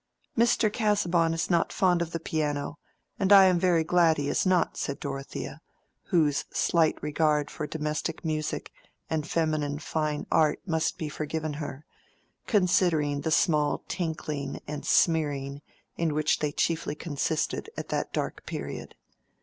"Mr. Casaubon is not fond of the piano, and I am very glad he is not," said Dorothea, whose slight regard for domestic music and feminine fine art must be forgiven her, considering the small tinkling and smearing in which they chiefly consisted at that dark period.